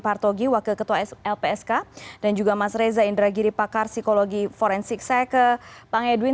partogi wakil ketua lpsk dan juga mas reza indra giripakar psikologi forensik saya ke bang edwin